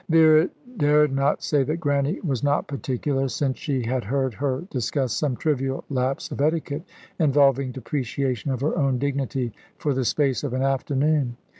Vera dared not say that Grannie was not particular, since she had heard her discuss some trivial lapse of etiquette, involving depreciation of her own dignity, for the space of an afternoon.